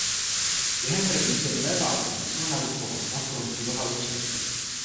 Během první světové války musel narukovat na frontu do Haliče.